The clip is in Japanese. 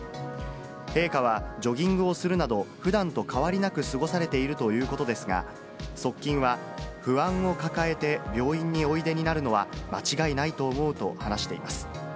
陛下はジョギングをするなど、ふだんと変わりなく過ごされているということですが、側近は、不安を抱えて病院においでになるのは、間違いないと思うと話しています。